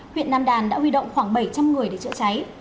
huyện nam đàn đã huy động khoảng bảy trăm linh người để chữa cháy